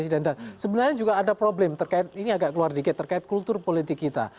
sebenarnya juga ada problem ini agak keluar dikit terkait kultur politik kita